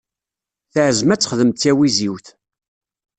Teɛzem ad texdem d tawiziwt.